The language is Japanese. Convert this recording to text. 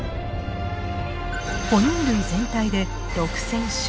哺乳類全体で６，０００種。